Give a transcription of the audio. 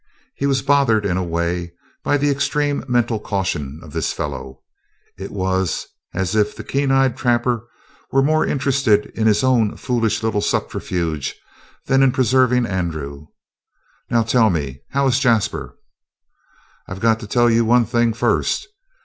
He was bothered, in a way, by the extreme mental caution of this fellow. It was as if the keen eyed trapper were more interested in his own foolish little subterfuge than in preserving Andrew. "Now, tell me, how is Jasper?" "I've got to tell you one thing first.